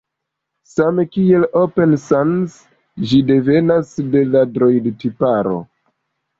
Same kiel Open Sans, ĝi devenas de la Droid-tiparo.